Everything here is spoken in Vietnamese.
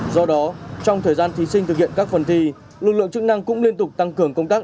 do đó trong thời gian thí sinh thực hiện các phần thi lực lượng chức năng cũng liên tục tăng cường công tác